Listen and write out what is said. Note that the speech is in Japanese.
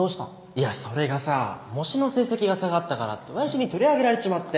いやそれがさ模試の成績が下がったからって親父に取り上げられちまって